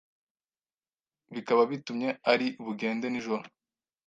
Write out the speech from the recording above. bikaba bitumye ari bugende nijoro.